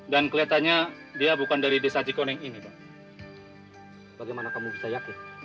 dan minta agar dokter merawatnya